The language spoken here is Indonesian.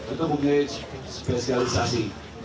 itu mungkin spesialisasi